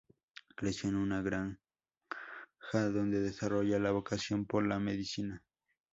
Creció en una granja donde desarrolló la vocación por la medicina.